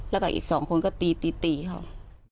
แล้วกับอีก๒คนก็ตีเขา